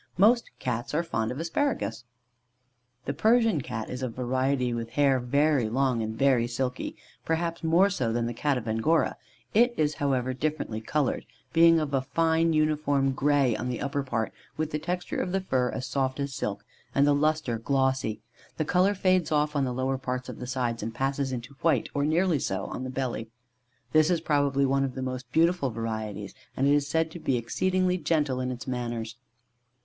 Most Cats are fond of asparagus. The Persian Cat is a variety with hair very long, and very silky, perhaps more so than the Cat of Angora; it is however differently coloured, being of a fine uniform grey on the upper part, with the texture of the fur as soft as silk, and the lustre glossy; the colour fades off on the lower parts of the sides, and passes into white, or nearly so, on the belly. This is, probably, one of the most beautiful varieties, and it is said to be exceedingly gentle in its manners.